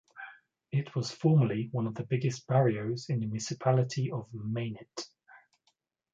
It was formerly one of the biggest barrios in the municipality of Mainit.